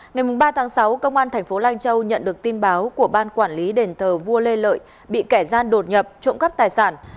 ngày ba tháng sáu công an thành phố lai châu nhận được tin báo của ban quản lý đền thờ vua lê lợi bị kẻ gian đột nhập trộm cắp tài sản